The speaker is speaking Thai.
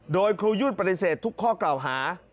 โดยครูยุ่นปฏิเสธทุกข้อกล่าวหา